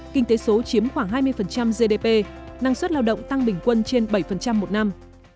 kinh tế số chiếm khoảng hai mươi gdp năng suất lao động tăng bình quân trên bảy một năm